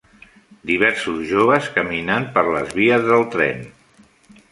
Diversos joves caminant per les de vies del tren.